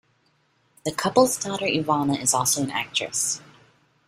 The couple's daughter Ivana is also an actress.